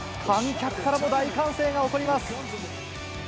観客からも大歓声が起こります。